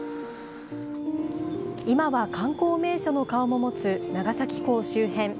今は観光名所の顔も持つ長崎港周辺。